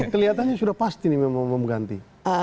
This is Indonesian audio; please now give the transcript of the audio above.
kelihatannya sudah pasti ini memang mau mengganti